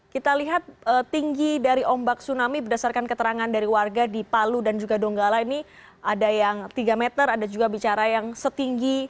kita lihat tinggi dari ombak tsunami berdasarkan keterangan dari warga di palu dan juga donggala ini ada yang tiga meter ada juga bicara yang setinggi